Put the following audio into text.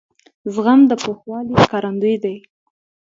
زغم د پوخوالي ښکارندوی دی.